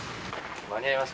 間に合います？